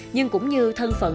nhưng cũng như thân phận